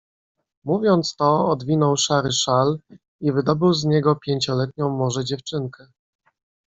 "Mówiąc to, odwinął szary szal i wydobył z niego pięcioletnią może dziewczynkę."